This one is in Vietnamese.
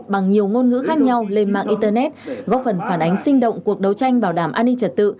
bằng nhiều ngôn ngữ khác nhau lên mạng internet góp phần phản ánh sinh động cuộc đấu tranh bảo đảm an ninh trật tự